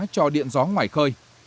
cho điện gió ngoài khơi